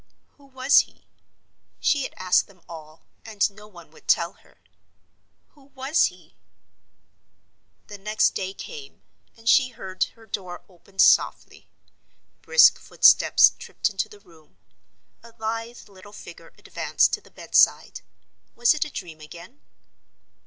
Who was he? She had asked them all, and no one would tell her. Who was he? The next day came; and she heard her door opened softly. Brisk footsteps tripped into the room; a lithe little figure advanced to the bed side. Was it a dream again?